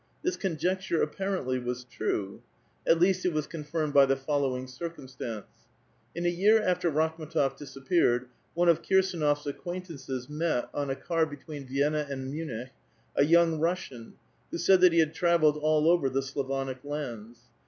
This conjecture apparently was true. ^At least, it was confirmed by the following circumstance. In Wk year after Rakhm^tof disappeared, one of Kirsdnofs ac C|uaintances met, on a car between Vienna and Munich, a roung Russian, who said that he had travelled all over the ►lavouic lands.